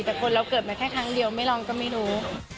แต่คนเราเกิดมาแค่ครั้งเดียวไม่ลองก็ไม่รู้